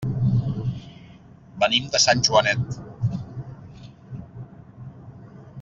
Venim de Sant Joanet.